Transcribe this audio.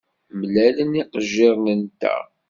Mlalen yiqejjiren-nteɣ.